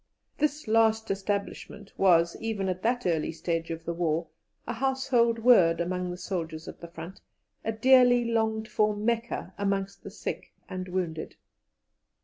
This last establishment was, even at that early stage of the war, a household word among the soldiers at the front, a dearly longed for Mecca amongst the sick and wounded.